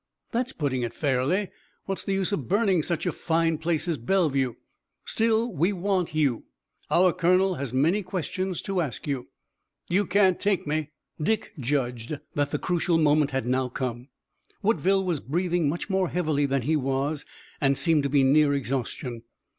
"That's putting it fairly. What's the use of burning such a fine place as Bellevue? Still, we want you. Our colonel has many questions to ask you." "You can't take me." Dick judged that the crucial moment had now come. Woodville was breathing much more heavily than he was, and seemed to be near exhaustion.